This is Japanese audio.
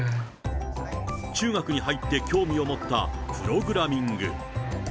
中学に入って興味を持った、プログラミング。